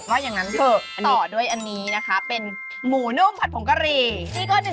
ว่ายังงั้นต่อด้วยอันนี้นะคะเป็นหมูนุ่มผัดผงกะรี